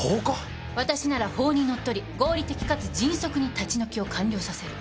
私なら法にのっとり合理的かつ迅速に立ち退きを完了させる。